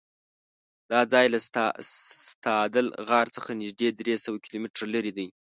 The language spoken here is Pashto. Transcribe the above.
دا ځای له ستادل غار څخه نږدې درېسوه کیلومتره لرې دی.